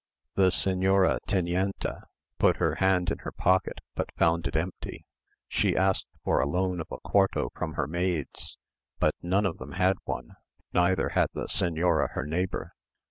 The señora Tenienta put her hand in her pocket, but found it empty; she asked for the loan of a quarto from her maids, but none of them had one, neither had the señora her neighbour.